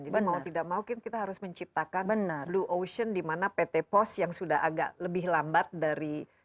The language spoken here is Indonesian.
jadi mau tidak mau kita harus menciptakan blue ocean dimana pt pos yang sudah agak lebih lambat dari digital